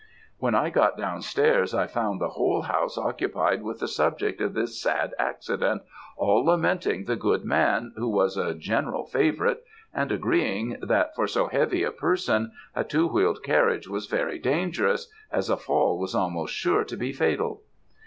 "When I got down stairs I found the whole house occupied with the subject of this sad accident, all lamenting the good man, who was a general favourite, and agreeing that, for so heavy a person, a two wheeled carriage was very dangerous, as a fall was almost sure to be fatal.